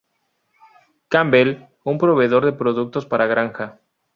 Campbell, un proveedor de productos para granja.